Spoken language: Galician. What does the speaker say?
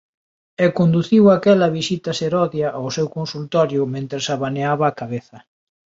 E conduciu aquela visita serodia ao seu consultorio mentres abaneaba a cabeza.